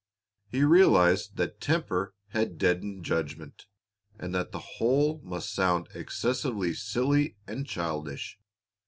He realized that temper had deadened judgment, and that the whole must sound excessively silly and childish.